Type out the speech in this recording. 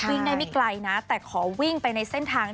วิ่งได้ไม่ไกลนะแต่ขอวิ่งไปในเส้นทาง